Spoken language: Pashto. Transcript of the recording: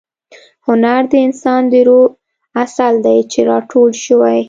هنر د انسان د روح عسل دی چې را ټول شوی.